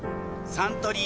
サントリー